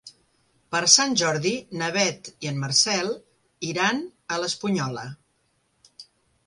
Per Sant Jordi na Beth i en Marcel iran a l'Espunyola.